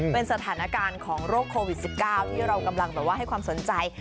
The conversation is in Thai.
เป็นสถานการณ์ของโรคโควิด๑๙ที่เรากำลังแบบว่าให้ความสนใจ